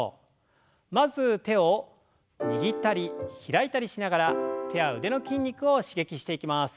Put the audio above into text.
まず手を握ったり開いたりしながら手や腕の筋肉を刺激していきます。